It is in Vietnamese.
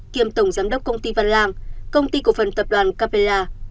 kiêm tổng giám đốc công ty văn lang công ty cổ phần tập đoàn capella